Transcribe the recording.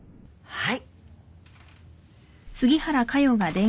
はい。